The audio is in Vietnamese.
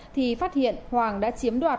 thì phát hiện hoàng đã chiếm đoạt